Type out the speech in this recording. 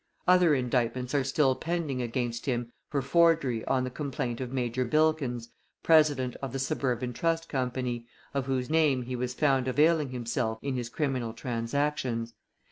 Other indictments are still pending against him for forgery on the complaint of Major Bilkins, president of the Suburban Trust Company, of whose name he was found availing himself in his criminal transactions.